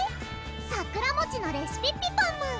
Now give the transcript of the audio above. さくらもちのレシピッピパム！